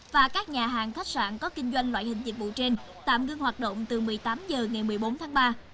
và các nhà hàng khách sạn có kinh doanh loại hình dịch vụ trên tạm ngưng hoạt động từ một mươi tám h ngày một mươi bốn tháng ba